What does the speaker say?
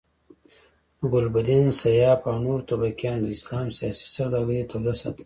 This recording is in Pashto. د ګلبدین، سیاف او نورو توپکیانو د اسلام سیاسي سوداګري توده ساتلې.